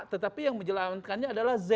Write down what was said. tetapi yang menjalankannya adalah z